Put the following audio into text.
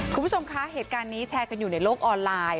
คุณผู้ชมคะเหตุการณ์นี้แชร์กันอยู่ในโลกออนไลน์